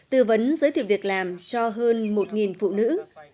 tư vấn giới thiệu việc làm cho hơn một phụ nữ